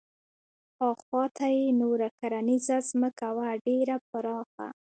اخواته یې نوره کرنیزه ځمکه وه ډېره پراخه.